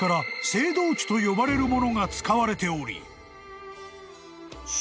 ［と呼ばれるものが使われており］